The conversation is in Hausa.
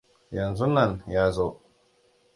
Yanzunnan ya zo.